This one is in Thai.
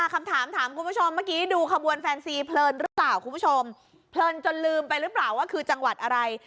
คำถามถามคุณผู้ชมเมื่อกี้ดูขบวนแฟนซีเพลินหรือเปล่าคุณผู้ชมเพลินจนลืมไปหรือเปล่าว่าคือจังหวัดอะไร